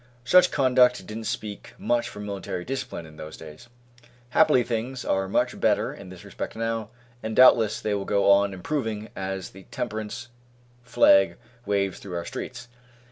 Such conduct didn't speak much for military discipline in those days. Happily things are much better in this respect now, and doubtless they will go on improving as the Temperance flag waves through our streets.